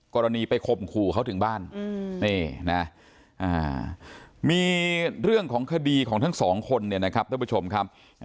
กรณีไปคบครูเขาถึงบ้านมีเรื่องของคดีของทั้ง๒คนนะครับท่านผู้ชมครับ